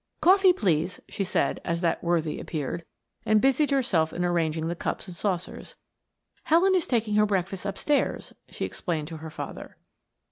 "Coffee, please," she said as that worthy appeared, and busied herself in arranging the cups and saucers. "Helen is taking her breakfast upstairs," she explained to her father.